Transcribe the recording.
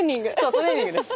トレーニングです